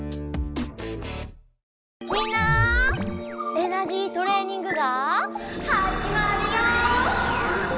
エナジートレーニングがはじまるよ！